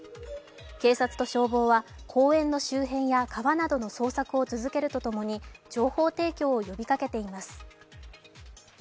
警察と消防は公園の周辺や川などの捜索を続けるとともに情報提供を呼びかけています。